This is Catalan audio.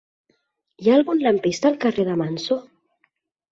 Hi ha algun lampista al carrer de Manso?